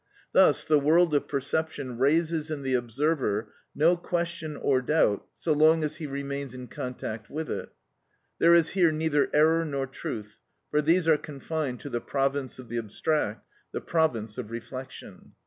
Thus the world of perception raises in the observer no question or doubt so long as he remains in contact with it: there is here neither error nor truth, for these are confined to the province of the abstract—the province of reflection.